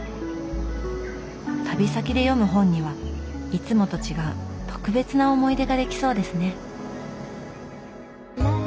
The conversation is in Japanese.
旅先で読む本にはいつもと違う特別な思い出ができそうですね。